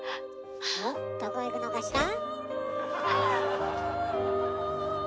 おっどこへ行くのかしら？